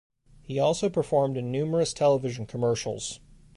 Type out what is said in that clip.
He also performed in numerous television commercials.